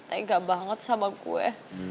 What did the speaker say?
tega banget sama gue